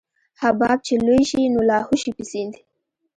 حباب چې لوى شي نو لاهو شي په سيند.